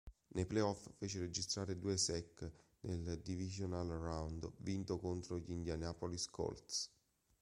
Nei playoff fece registrare due sack nel divisional round vinto contro gli Indianapolis Colts.